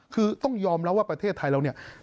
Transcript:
คือต้องยอมแล้วว่าประเทศไทยเรา